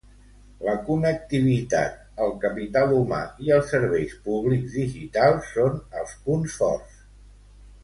La connectivitat, el capital humà i els serveis públics digitals són els punts forts.